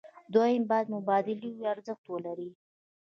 دویم باید مبادلوي ارزښت ولري.